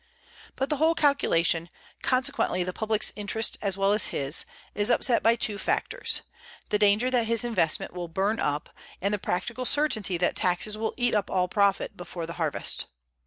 But the whole calculation, consequently the public's interest as well as his, is upset by two factors the danger that his investment will burn up and the practical certainty that taxes will eat up all profit before the harvest.